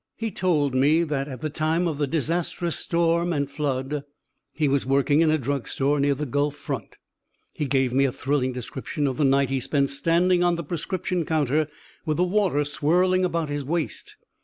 He told me that at the time of the disastrous storm and flood he was working in a drug store near the Gulf front. He gave me a thrilling description of the night he spent standing on the prescription counter with the water swirling about his waist.